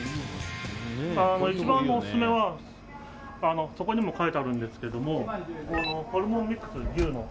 一番オススメはそこにも書いてあるんですけどホルモンミックス、牛の。